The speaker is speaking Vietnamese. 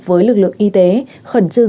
với lực lượng y tế khẩn trương